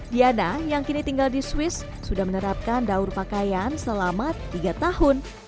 diana yang kini tinggal di swiss sudah menerapkan daur pakaian selama tiga tahun